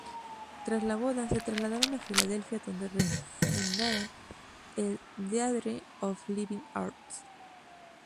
Tras la boda, se trasladaron a Filadelfia, donde refundaron el Theatre of Living Arts.